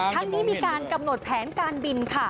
ทั้งนี้มีการกำหนดแผนการบินค่ะ